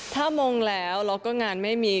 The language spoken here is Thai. ถ้าโมงแล้วเราก็งานไม่มี